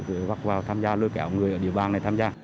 được bắt vào tham gia lưu kẹo người ở địa bàn này tham gia